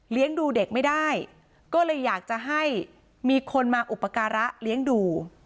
ดูเด็กไม่ได้ก็เลยอยากจะให้มีคนมาอุปการะเลี้ยงดู